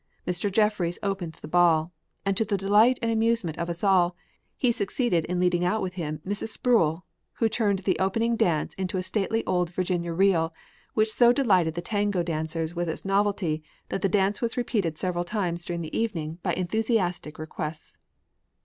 Mr. Jeffries opened the ball, and to the delight and amusement of us all, he succeeded in leading out with him Mrs. Sproul, who turned the opening dance into a stately old Virginia reel, which so delighted the tango dancers with its novelty that the dance was repeated several times during the evening by enthusiastic requests.